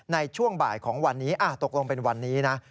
ในช่วงบ่ายของวันนี้ตกลงเป็นวันนี้นะ